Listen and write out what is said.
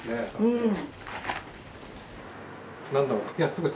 うん。